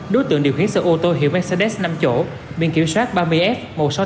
đối tượng điều khiển sở ô tô hiệu mercedes năm chỗ biên kiểm soát ba mươi f một mươi sáu nghìn tám trăm sáu mươi năm